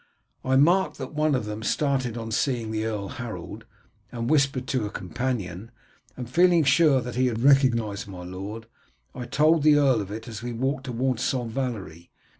I marked that one of them started on seeing Earl Harold, and whispered to a companion, and feeling sure that he had recognized my lord, I told the earl of it as we walked towards St. Valery.